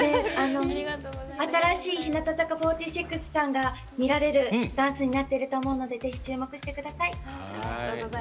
新しい日向坂４６さんが見られるダンスになっていると思うのでぜひ注目してください。